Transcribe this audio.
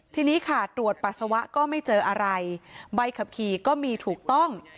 ทีนี้ค่ะตรวจปัสสาวะก็ไม่เจออะไรใบขับขี่ก็มีถูกต้อง